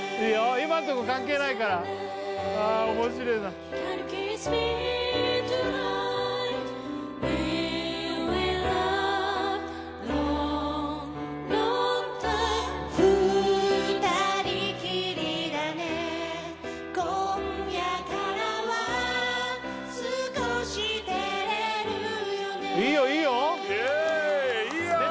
今んとこ関係ないからあ面白えないいよいいよイエーイ！